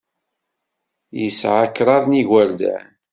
Yesɛa kraḍ n yigerdan.